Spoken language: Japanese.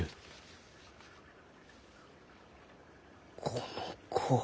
この子は。